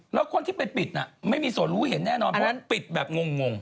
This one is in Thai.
แล้วคนที่ไปปิดน่ะไม่มีส่วนรู้เห็นแน่นอนเพราะฉะนั้นปิดแบบงง